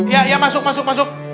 ya ya masuk masuk masuk